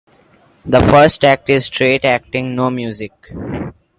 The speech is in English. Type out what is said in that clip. The first act is straight acting-no music.